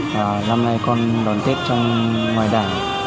và năm nay con đón tết trong ngoài đảng